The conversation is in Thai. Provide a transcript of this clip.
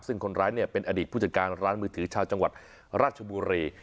ซึ่งคนร้ายเป็นอดีตผู้จัดการร้านมือถือชาวจังหวัดราชบุรี